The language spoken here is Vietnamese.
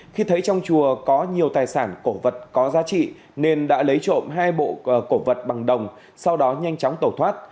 khi thấy trong chùa có nhiều tài sản cổ vật có giá trị nên đã lấy trộm hai bộ cổ vật bằng đồng sau đó nhanh chóng tẩu thoát